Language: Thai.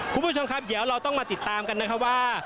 คุณผู้ชมครับเดี๋ยวเราต้องมาติดตามกันนะครับว่า